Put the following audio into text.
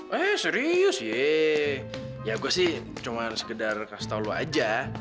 eh serius ye ya gue sih cuman sekedar kasih tau lo aja